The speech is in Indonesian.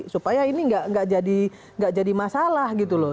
supaya ini nggak jadi masalah gitu loh